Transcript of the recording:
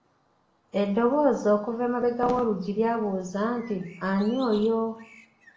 Eddoboozi okuva emabega w'oluggi lyabuuza nti ani oyo?